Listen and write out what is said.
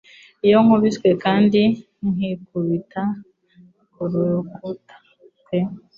Iyo nkubiswe kandi nkikubita ku rukuta pe